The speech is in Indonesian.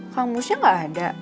kang musnya gak ada